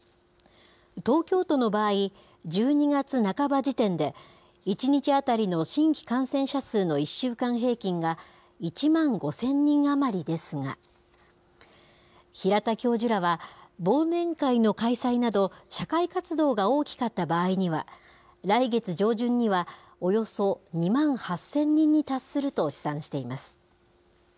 東京都の場合、１２月半ば時点で、１日当たりの新規感染者数の１週間平均が１万５０００人余りですが、平田教授らは、忘年会の開催など、社会活動が大きかった場合には、来月上旬にはおよそ２万８０００人に達すると試算しています。